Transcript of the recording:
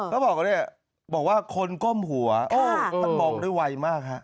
แล้วบอกว่าเนี่ยบอกว่าคนก้มหัวท่านมองด้วยไวมากฮะ